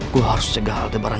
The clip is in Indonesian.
gue harus cegah hal kebaran